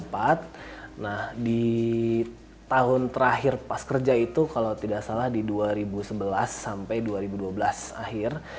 di masjid tech dua ribu empat nah di tahun terakhir pas kerja itu kalau tidak salah di dua ribu sebelas sampai dua ribu dua belas akhir